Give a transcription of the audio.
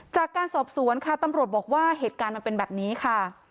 จากการสอบสวนค่ะตำรวจบอกว่าเหตุการณ์มันเป็นแบบนี้ค่ะ